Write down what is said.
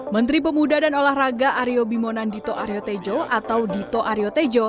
menteri pemuda dan olahraga aryo bimonan dito aryo tejo atau dito aryo tejo